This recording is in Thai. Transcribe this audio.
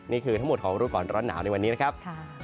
นี่คือทั้งหมดของรู้ก่อนร้อนหนาวในวันนี้นะครับ